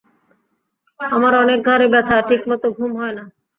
আমার অনেক ঘাড়ে ব্যথা, ঠিকমত ঘুম হয় না।